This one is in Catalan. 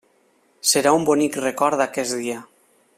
Serà un bonic record d'aquest dia.